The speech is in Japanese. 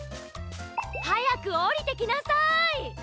はやくおりてきなさい！